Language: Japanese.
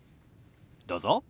どうぞ。